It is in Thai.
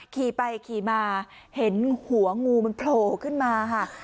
ขี่ไปขี่มาเห็นหัวงูมันโผล่ขึ้นมาค่ะ